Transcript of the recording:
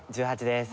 １８です。